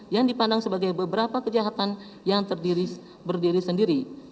yang dipandang sebagai beberapa kejahatan yang berdiri sendiri